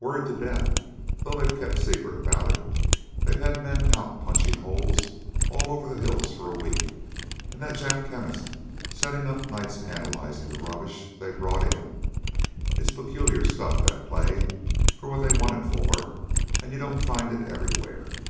"Worried to death, though they've kept secret about it. They've had men out punchin' holes all over the hills for a week, an' that Jap chemist settin' up nights analyzin' the rubbish they've brought in. It's peculiar stuff, that clay, for what they want it for, an' you don't find it everywhere.